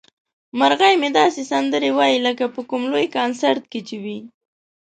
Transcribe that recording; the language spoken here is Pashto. مرغۍ مې داسې سندرې وايي لکه په کوم لوی کنسرت کې چې وي.